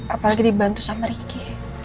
apalagi dibantu sama ricky